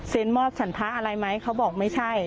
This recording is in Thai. เซ็นมอบสันทะอะไรไหมเขาบอกไม่ใช่